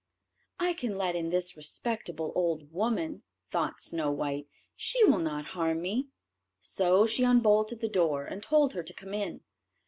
"I can let in this respectable old woman," thought Snow white; "she will not harm me." So she unbolted the door, and told her to come in.